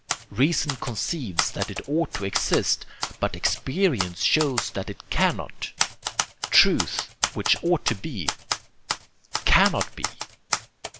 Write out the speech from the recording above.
Reason conceives that it ought to exist, but experience shows that it can not. ... Truth, which ought to be, cannot be.